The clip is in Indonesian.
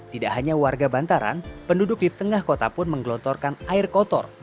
tidak hanya warga bantaran penduduk di tengah kota pun menggelontorkan air kotor